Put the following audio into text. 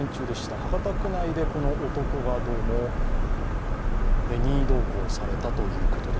博多区内でこの男がどうも任意同行されたということです。